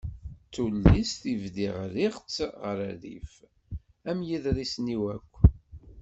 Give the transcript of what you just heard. D tullist i d-bdiɣ rriɣ-tt ɣer rrif am yiḍrsen-iw akk.